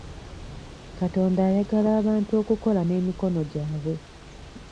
Katonda ayagala abantu okukola n'emikono gyabwe.